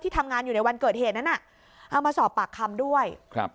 ที่ทำงานอยู่ในวันเกิดเหตุนั้นเอามาสอบปากคำด้วย